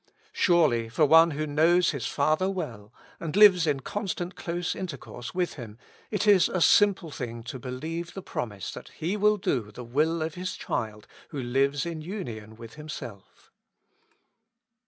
Surely for one who knows his Father well, and lives in constant close intercourse with Him, it is a simple thing to believe the promise that He will do the will of His child who lives in union with Himself.